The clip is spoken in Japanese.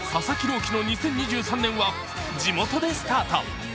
希の２０２３年は地元でスタート。